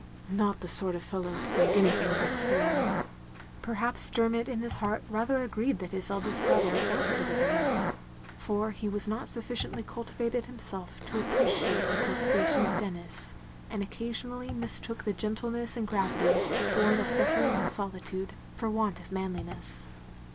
" Not the sort of fellow to take anything by storm. " Perhaps Dermot in his heart rather agreed OF GROSVENOR SQUARE 285 that his eldest brother was a bit of a muff; for he was not sufficiently ctdtivated himself to appreciate the ctdtivation of Denis, and occasion ally mistook the gentleness and gravity bom of sujffering and solitude, for want of manliness.